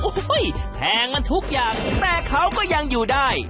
โอ้โหแพงมันทุกอย่างแต่เขาก็ยังอยู่ได้